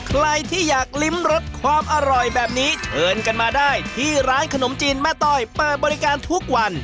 ใครที่อยากลิ้มรสความอร่อยแบบนี้เชิญกันมาได้ที่ร้านขนมจีนแม่ต้อยเปิดบริการทุกวัน